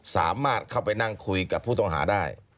สามารถเข้าไปนั่งคุยกับผู้ต้องหาได้